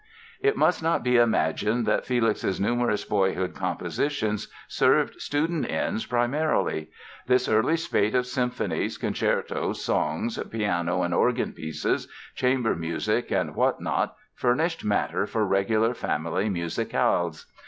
It must not be imagined that Felix's numerous boyhood compositions served student ends primarily. This early spate of symphonies, concertos, songs, piano and organ pieces, chamber music and what not furnished matter for regular family musicales.